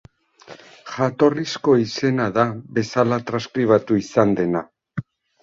Jatorrizko izena da, bezala transkribatu izan dena.